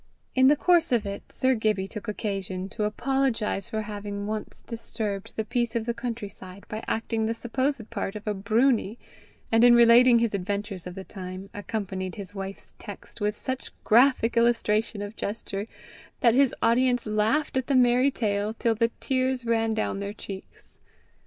In the course of it Sir Gibbie took occasion to apologize for having once disturbed the peace of the country side by acting the supposed part of a broonie, and in relating his adventures of the time, accompanied his wife's text with such graphic illustration of gesture, that his audience laughed at the merry tale till the tears ran down their cheeks.